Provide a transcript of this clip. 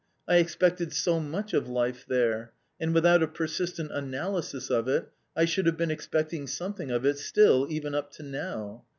I expected so much of life there, and without a persistent analysis of it I should have been expecting something of it still even up to now.